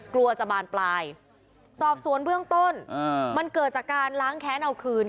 กลัวจะบานปลายสอบสวนเบื้องต้นมันเกิดจากการล้างแค้นเอาคืน